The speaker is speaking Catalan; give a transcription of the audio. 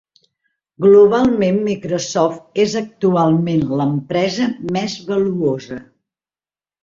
Globalment Microsoft és actualment l'empresa més valuosa.